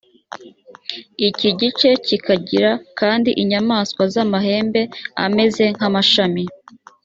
iki gice kikagira kandi inyamaswa z’amahembe ameze nk’amashami